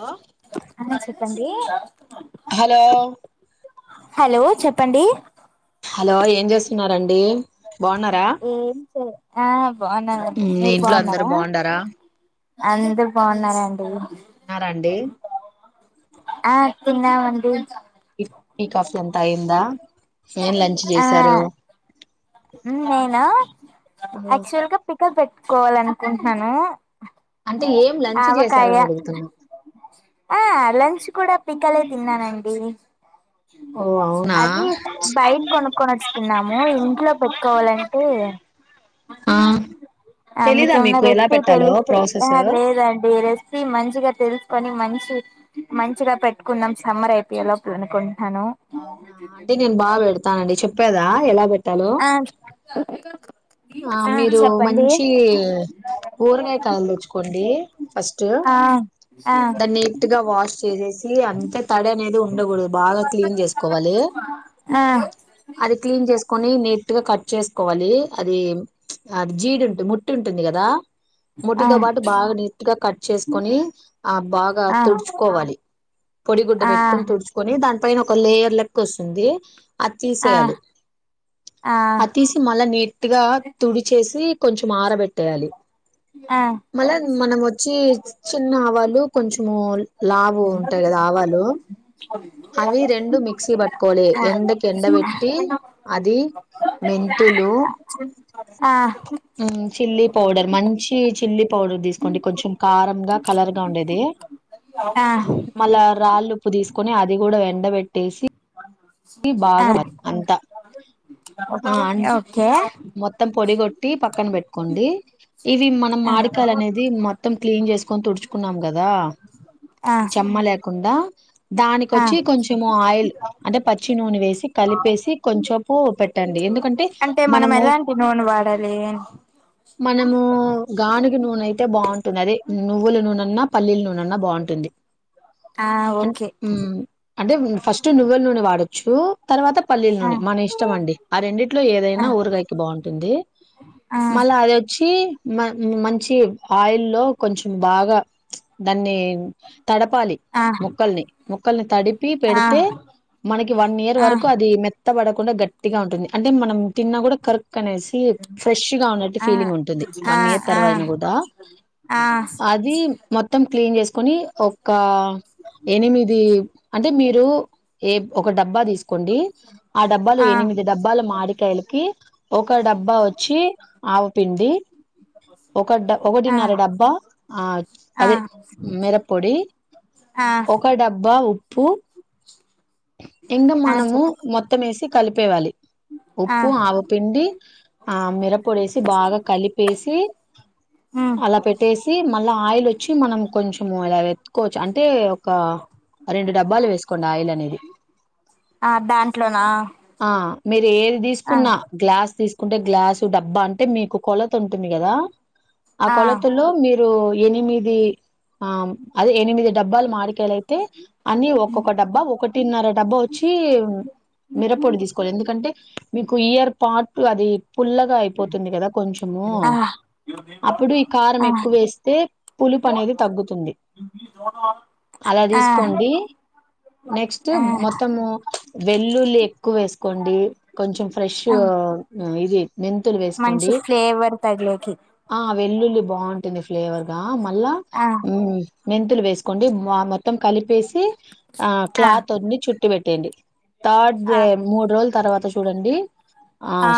Hello అ చెప్పండి hello hello చెప్పండి హలో ఏం చేస్తున్నారండి బాగున్నారా ఏం చేస్ ఆ బాగున్ననండి మీ మీరు ఇంట్లో అందరు బాగున్నారా బాగుండారా అందరు బాగున్నారండి తిన్నార అండి తిన్నమండి టి కాఫీ అంత అయిందా ఏ లంచ్ చేసారు ఉహు నేనా ఆక్చువల్గా పిక్ కా పెట్టుకోవాల అనుకుంటున్నాను అంటే ఏం లంచ్ ఆవకాయ చేశారని అడుగుతున్నా ఆ లంచ్ కూడా పిక్ కలర్ తిన్నానండి ఓ అవునా అది బయట కొనక్కచ్చుకున్నాము ఇంట్లో కావాలంటే ఆ ఆ మీకు తెలీదా ఏమన్న ఎలా రెసిపీ పెట్టాలో తెలిస్తే ప్రాసెస్ లేదండి రెసిపీ మంచిగ తెలుసు కొని మంచి మంచిగా పెట్టుకున్నాం సమ్మర్ అయిపోయే లోపల అనుకుంట్ అవునా అంటే నేను బాగా పెడతానండి చెప్ ప్ప అదా ఎలా పెట్ ఆ చ ఆ మీరు మంచి ఊరగాయ కలలు తెచ్చుకోండి. ఫస్ట్ ఆ ఆ దాన్ని నీట్ గా వాష్ చేసేసి, అంతే తడి అనేది ఉండకూడదు బాగా క్లీన్ చేసుకోవాలి. ఆ అది క్లీన్ చేసుకొని నీ గా కట్ చేసుకోండి అది అది జీడు ఉంటు ముట్టి ఉంటుంది కదా ఆ ముటితో పాటు బాగా నీట్ గా కట్ చేసుకొని ఆ బాగా ఆ ఆ తుడుచుకోవాలి పొడిగుడ్డ ఆ పెట్టుకుని తుడుచుకొని దాన్ని పైన ఒక లేయర్ లెక్క వస్తుంది అది ఆ తీసేయాలి అ తీసి మళ్ళా నీట్ నీటిగా తుడి చేసి కొంచెం ఆరబెట్టేయాలి ఆ మళ్ళా మనం వచ్చి చిన్న ఆవాలు కొంచెము లావు ఉంటాయి కదా ఆవాలు అవి రెండూ మిక్సీ పట్టుకోవాలి ఎండకి ఎండ పెట్టి అది మెంతులు ఆ ఉ చిల్లీ పౌడర్ మంచి చిల్లీ పౌడర్ తీసుకోండి కొంచెం కారం గా కలర్ గా ఉండేది ఆ మళ్ళా రాళ్ళుప్పు తీస్ కొని అది కూడా ఎండ బే ట్టేసి ఆ బాగా అంట ఆ అం ఓకే మొత్తం పొడి కొ పక్కన పెట్టుకోండి ఇవి మనం ఆ మాడికాయలు అనేది మొత్తం క్లీన్ చేసుకొని తుడుచుకున్నాం కదా ఆ చెమ్మ లేకుండా ఆ దానికొచ్చి కొంచెము ఆయిల్ అంటే పచ్చి నూనె వేసి కలిపేసి కొంచేపు పెట్టండి ఎందుకంటే అంటే మనం మనము ఎలాంటి నూనె వాడాలి మనము గానిగా నూనె అయితే బాం అదే నువ్వులు నూనె అన్న పల్లీలు నూనెన్నా బాగుంటుంది ఆ ఓకే ఉ అంటే ఫస్ట్ నువ్వుల నూనె వాడు చు తర్వాత పల్లీల ఆ నూని మన ఇష్టం అండి ఆ రెండింటిలో ఏదైనా ఆ ఊరగాయకి బాగుంటుంది ఆ మళ్ళా అది వచ్చి మ మంచి ఆయిల్ లో కొంచెం బాగా దాన్ని తడపాలి ఆ ముక్కల్ని ముక్కల్ని తడిపి ఆ పెడితే ఆ మనకి వన్ ఇయర్ వరకు అది మె త్త పడకుండా గట్టిగా ఉంటుంది అంటే మనం తిన్నా కూడా కరుక్ కనేసి ఫ్రెష్ గా ఉన్నట్టు ఆ ఫీలింగ్ ఉంటుంది ఆ ఆ ఆ వన్ ఇయర్ తర్వాత అయిన కూడా ఆ అది మొత్తం క్లీన్ చేస్ కుని ఒక ఎనిమిది అంటే మీరు ఏ ఒక డబ్బా తీసుకోండి ఆ డబ్బాలో ఎనిమిది డబ్బాల మాడికాయలకి ఒక డబ్బా ఆవ పిండి ఒక డబ్ ఆ ఆ ఒకటిన్నర డబ్బా ఆ అదే మిరపొడి ఆ ఒక డబ్బా ఉ ప్పు ఇంగా ఆ మనము చెప్ మొత్తమేసి కలిప్ ప్పేవాలి ఆ ఉప్పు ఆవ పిండి ఆ మిరపొడేసి బాగా కలిపేసి ఉమ్ అలా పెట్టేసి మళ్ళా ఆయిల్ వచ్చి మనం కొంచెంము ఇలా లేతుకోవచ్చు అంటే ఒక రెండు డబ్బాలు వేసుకోండి ఆయిల్ అనేది ఆ దాంట్లోనా ఆ ఆ మీర్ ఏది ఆ తీసుకున్నా గ్లాస్ తీసు అంటే గ్లాసు డబ్బా అంటే మీకు కొలత ఉంటుంది గదా ఆ కొలతలో మీరు ఎనిమిది అ అదే ఎనిమిది డబ్బాాలు మరి. కెలైతే అని ఒక్కొక్క డబ్బా ఒకటిన్నర డబ్బో వొచ్చి మిర్పొడి తీసుకోలె ఎందుకంటే. మీకు ఇయర్ పాట్. లది. పుల్లగా అయిపోతుంది కదా కొంచెమో ఆ అప్పుడు ఈ కారం ఆ ఎక్కువ వేస్తే పులుపు అనేది తగ్గుతుంది అలా ఆ తీసుకోండి నెక్స్ట్ ఆ మొతము వెల్లుల్లి ఎక్కువ వేసుకోండి కొంచెం ఫ్రెష్. ఆ వీజీ. మంచి ఫ్లేవర్ తగిలె కి. ఆ వెల్లుల్లి బాటుంది ఫ్లేవర్ గా. ఆ మళ్ళ. ఆ మెంతులు వేసుకోండి వ మొత్తం కలిపేసి. ఆ క్లాత్ ఉన్నీ చుట్టి వెట్. తెండి. స్టార్ట్ ఆ జె మూడు రోజు. తరవత శుడండీ. ఆ.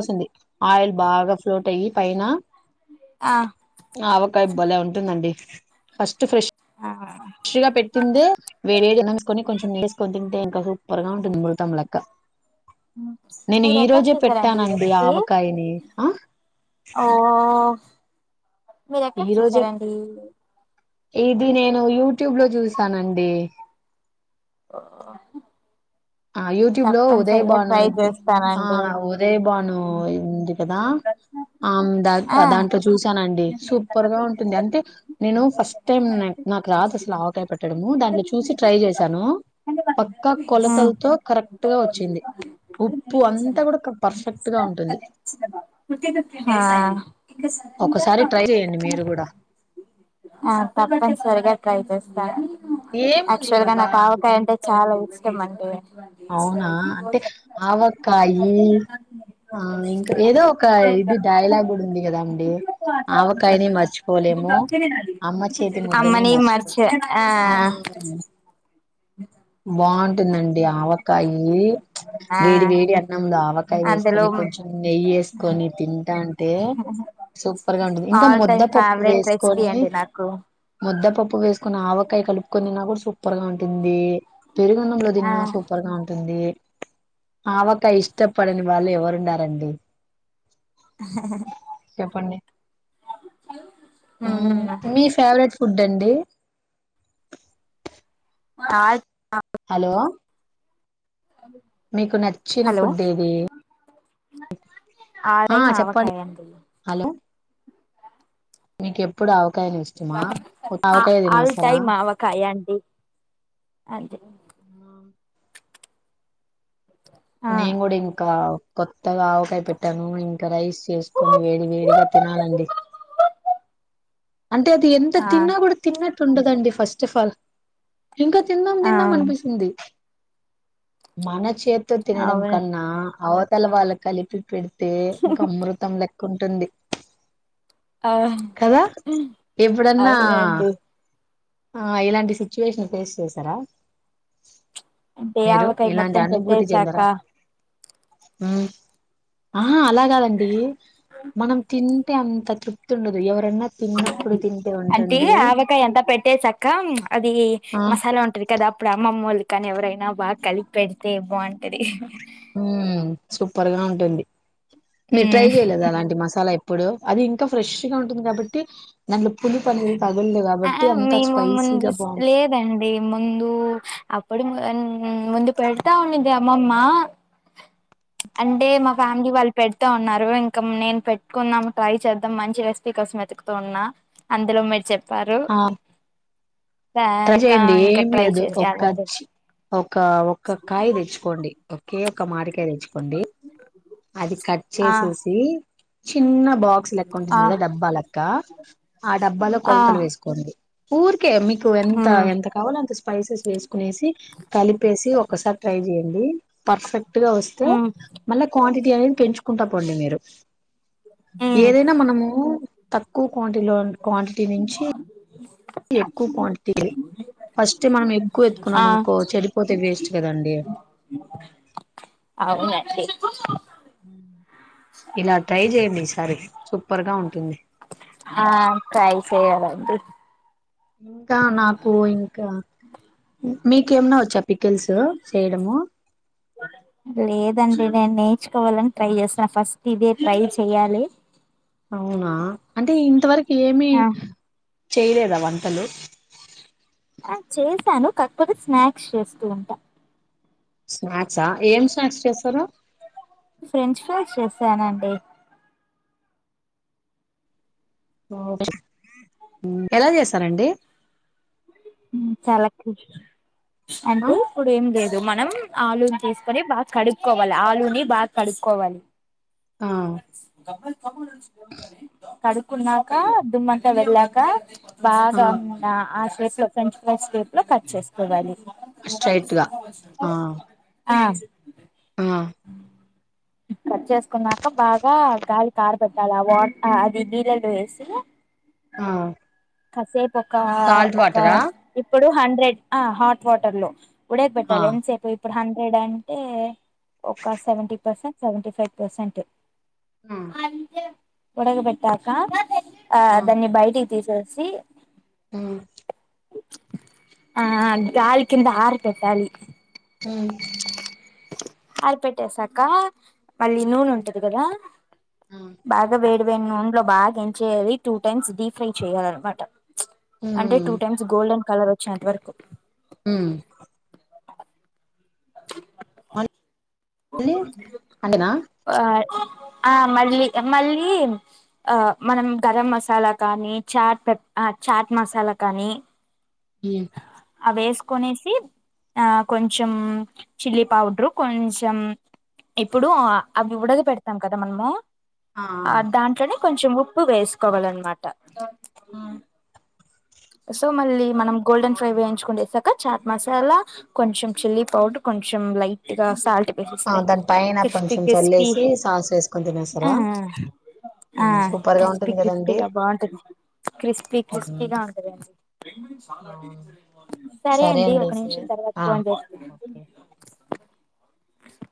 వొస్తుంది ఆయిల్ బాగా ఫ్లోట్ అయి పైన. ఆ ఆవకాయ బలే ఉంటుందండి. First fresh. ఆ ఫ్రెష్ గా పెట్టిందే వేడిఎడి ఏసుకుని కొంచెం నేయి వేసుకొని తింటే ఇంకా సు. సుపర్ గా ఉంటంది మూర్తం లెక్క. నేను మీరు ఈ ఎక్కడ రోజే చూసారండి ఈ పెట్టానండి రెసిపీ ఆవకాయని. ఆ. ఓ. మీరు ఎక్కడ ఈ రోజే చూసారండి. ఇది నేను యూట్యూబ్ లో జుసానండి. [inaudible] ఆ యూట్యూబ్ లో ఉదయ్ తప్పనిసరిగా భను ట్రై ఆ చేస్తానండి ఉదయ్ భను ఇంది. కదా ఆమ్ద దాంట్లో ఆ ఆ దాంట్లో దాంట్లో చూసానుండి ఆ సూపర్ గా ఉంటుంది అంటే నేను ఫస్ట్ టైం నాకు రాదు అసల ఆవకాయ పెట్టడ దాంట్ని చూసి ట్రై చేశాను పక్కా కొలత. ఎంతో కరెక్ట్ గా వచ్చింది ఉప్పు అంతా కూడా పర్ఫెక్ట్ గా ఉంటుంది. ఒకసారి ట్రై చేయండి మీరు కూడా [unintelligible] ఆ తప్పని సరిగా ట్రైచేస్తా. ఏముంది యాక్చువల్ గా ఒక నాకు ఆవకాయంటే. చాలా ఇష్టం అంటే అవునా అంటే ఆవకాయి అయితే ఆ ఇంకా ఏదో ఒక ఇది డైలాగు ఉంది కదా అండి ఆవకాయని మర్చిపోలేము అమ్మ చేతి ముద్దనే అమ్మనీ మర్చిపో మర్చ ఆ బాగుంటుందండి ఆవకాయి ఆ వేడి వేడి అన్నం లో ఆవకాయ అందులో వేసుకొని కొంచెం నెయ్యి వేసుకొని తింటా ఉంటే తే సూపర్గా ఉంటుది ఇంకా ఆల్ టైమ్ ముద్దపప్పు ఫేవరెట్ రెసిపీ వేసుకొని అండి నాకు ముద్దపప్పు వేసుకొని ఆవ కాయ కలుపుకొన్ని తిన్నా కూడా సుప ఉప్పగా ఉంటుంది పెరుగు అన్నంలో ఆ తిన్న సూపర్గాదు ఆవకా ఇష్టపడిని వాళ్ళు ఎవరున్నారండి చెప్పండి మ్మ్. ఉమ్ మీ ఫేవరెట్ ఫుడ్ అండి అ హలో మీకు నచ్చిన హలో ఫుడ్ ఏది ఆల్ ఆ టైమ్ చెప్పండి ఆవకాయ అండి హలో నీకెప్పుడు అవ ఆల్ టైమ్ ఆవకాయ అండి ఆ నేను కూడా ఇంకా కొత్తగా ఆవకాయ పెట్టాను ఇంకా రైస్ చేసుకొని వేడి వేడిగా తినాలండి అంటే అది ఎంత ఆ తిన్నా కూడా తిన్న ఉండదండి ఫస్ట్ ఆఫ్ ఆల్ ఇంకా తిందాం ఆ తిందాం అనిపిస్తుంది మన చేతో తినడం అవును కన్నా అవ పిల్ల వాళ్ళు కి కలిపి పెడు తే ఇంకా అమృతం లెక్క కుంటుంది ఆ ఎప్పుడన్నా అవునండి ఆ ఇలాంటి సిచ్యువేషన్ ఫేస్ చేసారా అంటే మీరు ఆవకాయ మొత్తం పెట్టే శాక హ అ ఆ అలాగాదండి మనం తిన్ అంత తృప్తి ఉండదు ఎవరన్నా తిన్నప్పుడు తింటే అంటే ఉంటుంది ఆవకాయ అంతా పెట్టే సాకా అది ఆ మసాలా ఉంటది కదా అప్పుడు అమ్మమ్మోలు కానీ ఎవరైనా బాగా కలిపి పెడితే బాగుంటది ఉ సూపర్గా ఉంటుంది మీరు ట్రై మ్మ్ చేయలేదా అలాంటి మసాలా ఎ ఇప్పుడు అది ఇంకా ఫ్రెష్గా ఉంటుంది కాబట్టి దాంట్లో పులుపు అనేది తగలదు ఆఅ కాబట్టి అంతా మేము ముందు స్పైసీగా సు బాగుంటుంది లేదండి ముందు అప్పుడు ము ముందు పెడతా ఉండింది అమ్మమ్మ అంటే మా ఫ్యామిలీ వాళ్ళు పెడతా ఉన్నారు ఇంకా నేను పెట్టుకున్నాము ట్రై చేద్దాం మంచి రెసిపీ కోసం వెతుకుతూ ఉన్నా అందులో మీరు చెప్ పరు త చేయండి ఏం లేదు ఒకచ్చి ఒక ఒక కాయ తెచ్చుకోండి ఒకే ఒక మాడికాయ తెచ్చు కొండి అది కట్ ఆ చేసేసి చిన్న బాక్స్ లెక్క ఉంటుంది ఆ కదా డబ్బా లెక్క ఆ డబ్బాలో ఆ కొలతలు వేసుకోండి ఊర్కే మీ నువ్ ఎంత మ్మ్ ఎంత కావాలో అంత సు స్పైసెస్ వేసు కునేసి కలిపేసి ఒకసార్ ట్రై చెయండి పర్ఫెక్ట్ గా వస్తే మ్మ్ మళ్ళ క్వాంటిటీ అనేది పెంచుకుంటా పోండి మీరు జెర్ష్ మ్మ్ ఏదైనా మనము తక్కువ క్వాంటిలో క్వాంటిటీ నుంచి ఎక్కువ క్వాంటిటీ ఫస్ట్ మనం ఎక్కువ ఆ ఎత్తుకున్నాం అనుకో చెడిపోతే వేస్ట్ కదండి అవునండి ఉ ఇలా ట్రై జేయండి తడి హ ట్రై చేయాలండి ఇంకా నాకు ఇంకా మీకేమనా వ చెప్ పికిల్సు చేయడము దండి నేను నేర్చుకోవాలని ట్రై చేస్తు ఫస్ట్ ఇదే ట్రై చేయాలి అవునా అంటే ఇంతవరకు ఏమి ఆ చేయలేదా వంటలు ఆ చేశాను కాకపోతే స్నాక్స్ చేస్తూ ఉంటా. స్నాక్సా ఏం స్నాక్స్ చేస్తరు ఫ్రెంచ్ ఫ్రైస్ చేసానండి ఎలా చేస్తారండి చాలా ష్ ఆ అంటూ ఇప్పుడు ఏం లేదు మనం ఆలూని తీసుకొని బాగా కడుక్కోవాలి ఆలూని బాగా కడుక్కోవాలి ఆ [inaudible] కడుకున్నాక దుమ్మంతా వెళ్ళాక ఆ బాగా ఉ ఆ వేస్తా ఫ్రెంచ్ ఫ్రైస్ షేప్ లో కట్ చేసుకోవాలి స్ట్రైట్గా ఆ ఆ ఆ కట్ చేసుకున్నా బాగా గాలి కార్ ట్ట వా అది నీళ్లల్లో వేసి ఆ కాసేపు ఒక సాల్ట్ వాటరా కాఫ్ ఇప్పు ఇప్పుడు హండ్రెడ్ ఆ హాట్ వాటర్ లో ఉడక ఆ పెట్టాలి ఎం సే ఇప్పుడు హండ్రెడ్ అంటే ఒక seventy percent seventy five percent ఆ ఉడక పెట్టాక ఆ దాన్ని బయటి తీసేసి ఆ ఆ గాలి కింద ఆర పెట్టాలి. మ్ అరపెట్టేసాక మళ్ళీ నూనె ఉంటది కదా ఆ బాగా వే నూనె లో బాగా ఎంచెయాలి టూ టైమ్స్ డీప్ ఫ్రై చెయ్యాలి అనమాట అంటే టూ హ్మ్ టైమ్స్ గోల్డెన్ కలర్ వచ్చేంత వరకు ఉమ్ మళ్ళీ అంతేనా ఆ ఆ మళ్ళీ మళ్ళీ ఆ మనం గరం మసాలా కానీ చాట్ పె చాట్ మసాలా కానీ ఉమ్ అవి వేసుకనేసి ఆ కొంచెం చిల్లీ పౌడ్రూ కొంచెం ఇప్పుడు అవి ఉడకా పెడతాం కదా మనము ఆ దాంట్లోనే కొంచెం ఉప్ ఉప్పు వేసుకోవాలన్నమాట ఆ సో మళ్ళీ మనం గోల్డెన్ ఫ్రై వేయించుకుండేసాక చాట్ మసాలా కొంచెం చిల్లీ పౌడర్ కొంచెం లైట్ గా సాల్ట్ ఆ వేసేస్తే దాని పైన క్రిస్పీ కొంచెం క్రిస్పీ చల్లేసి సాస్ వేసుకొని హా తినేస్తారా హా హ్మ్ సూపర్ గా క్రిస్పీ ఉంటుంది కదండి క్రిస్పీగా బాగుంటంది క్రిస్పీ హ్మ్ క్రిస్పీగా ఉంటు అవును సరే అండి ఒక నిమిషం తర్వాత ఆ ఫోన్ ఓకే చేస్త